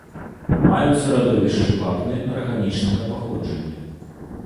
Маюцца радовішчы вапны арганічнага паходжання.